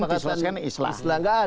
perselisihan akan diselesaikan islah